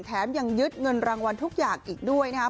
แถมยังยึดเงินรางวัลทุกอย่างอีกด้วยนะครับ